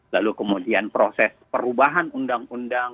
lalu kemudian proses perubahan undang undang